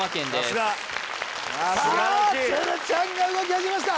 さすがさあ鶴ちゃんが動き始めました